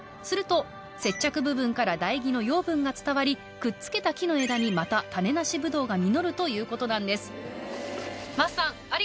すると接着部分から台木の養分が伝わりくっつけた木の枝にまた種なしぶどうが実るということなんです。